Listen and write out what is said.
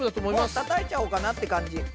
もうたたいちゃおうかなって感じ。